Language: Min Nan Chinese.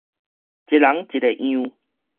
一人一个樣